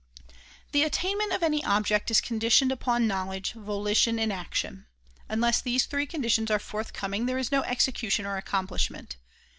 The attainment of any object is conditioned upon knowledge, volition and action. Unless these three conditions are forthcoming there is no execution or accomplishment.